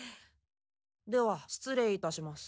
では失礼いたします。